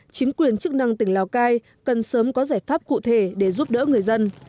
chính quyền chức năng tỉnh lào cai cần sớm có giải pháp cụ thể để giúp đỡ người dân